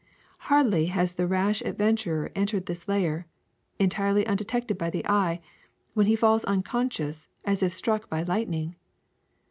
Hardly has the rash adventurer entered this layer, entirely undetected by the eye, when he falls unconscious, as if struck by lightning.